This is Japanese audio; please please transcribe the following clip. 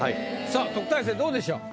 さあ特待生どうでしょう？